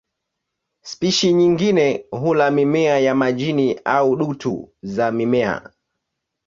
Spishi nyingine hula mimea ya majini au dutu za mimea.